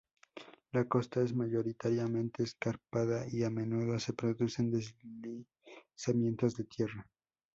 La costa es mayoritariamente escarpada y a menudo se producen deslizamientos de tierra.